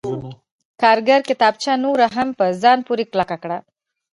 کارګر کتابچه نوره هم په ځان پورې کلکه کړه